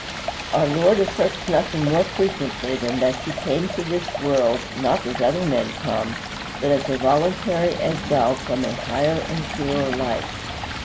Our Lord asserts nothing more frequently than that he came to this world, not as other men come, but as a voluntary exile from a higher and purer life.